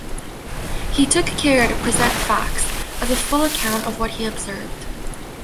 He took care to present facts, as a full account of what he observed.